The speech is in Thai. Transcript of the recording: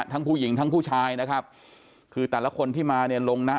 ทั้งผู้หญิงทั้งผู้ชายนะครับคือแต่ละคนที่มาเนี่ยลงนะ